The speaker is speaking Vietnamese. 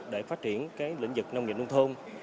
để phát triển lĩnh vực nông nghiệp nông thôn